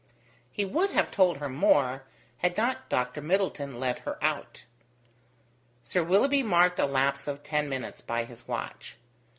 He would have told her more, had not Dr. Middleton led her out. Sir Willoughby marked a lapse of ten minutes by his watch.